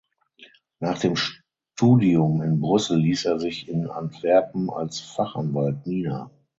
Nach dem Studium in Brüssel ließ er sich in Antwerpen als Fachanwalt nieder.